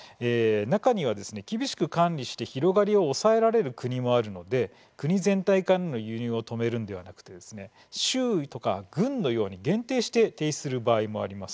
中には厳しく管理して広がりを抑えられる国もあるので国全体からの輸入を止めるのではなくて州や郡のように限定して停止する場合もあります。